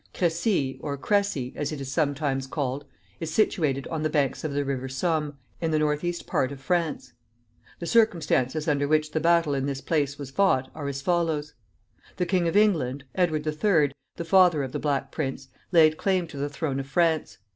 Crecy, or Cressy, as it is sometimes called, is situated on the banks of the River Somme, in the northeast part of France. The circumstances under which the battle in this place was fought are as follows. The King of England, Edward the Third, the father of the Black Prince, laid claim to the throne of France.